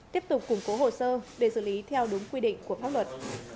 tiếp tục củng cố hồ sơ để xử lý theo đúng quy định của pháp luật